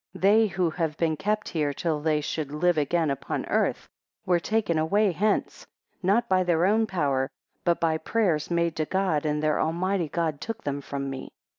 12 They who have been kept here till they should live again upon earth, were taken away hence, not by their own power, but by prayers made to God, and their almighty God took them from me.